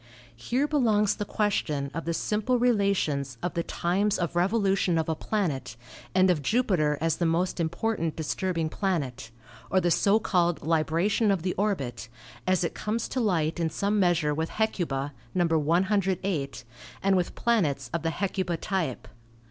Here belongs the question of the simple relations of the times of revolution of a planet and of Jupiter as the most important disturbing planet, or the so called li bration of the orbit, as it comes to light in some measure with Hecuba (No. 108) and with planets of the Hecuba type.